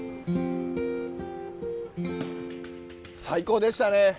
最高でしたね。